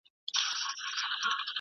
که نظم مات سي ستونزه پیدا کېږي.